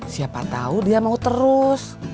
siapa tahu dia mau terus